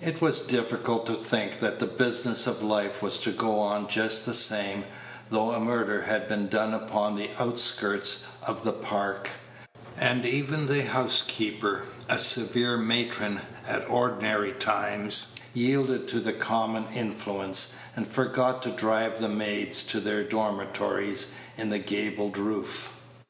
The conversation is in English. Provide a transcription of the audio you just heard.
It was difficult to think that the business of life was to go on just the same though a murder had been done upon the outskirts of the Park, and even the housekeeper, a severe matron at ordinary times, yielded to the common influence, and forgot to drive the maids to their dormitories in the gabled roof.